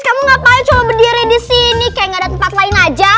kamu ngapain cuma berdiri di sini kayak nggak ada tempat lain aja